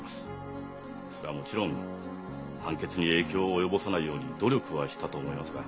それはもちろん判決に影響を及ぼさないように努力はしたと思いますが。